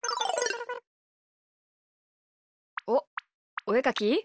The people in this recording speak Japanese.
おっおえかき？